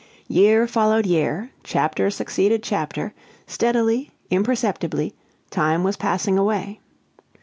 Year followed year; chapter succeeded chapter; steadily, imperceptibly, time was passing away.